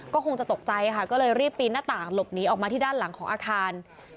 ก็คงจะตกใจค่ะก็เลยรีบปีนหน้าต่างหลบหนีออกมาที่ด้านหลังของอาคาร